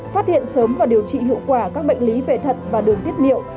phát hiện sớm và điều trị hiệu quả các bệnh lý về thật và đường tiết niệu